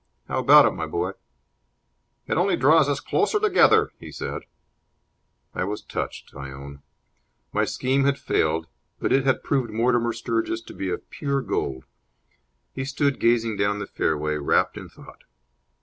How about it, my boy?" "It only draws us closer together," he said. I was touched, I own. My scheme had failed, but it had proved Mortimer Sturgis to be of pure gold. He stood gazing down the fairway, wrapped in thought.